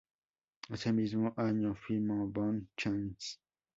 Ese mismo año filmó "Bonne chance".